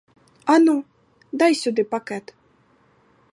Ану, дай сюди пакет.